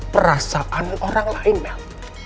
perasaan orang lain mel